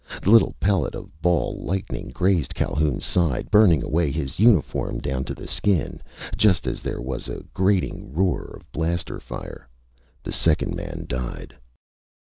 The little pellet of ball lightning grazed Calhoun's side, burning away his uniform down to the skin, just as there was a grating roar of blaster fire. The second man died.